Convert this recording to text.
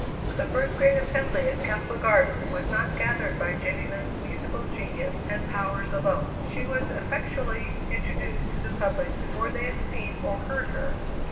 The first great assembly at Castle Garden was not gathered by Jenny Lind's musical genius and powers alone. She was effectually introduced to the public before they had seen or heard her.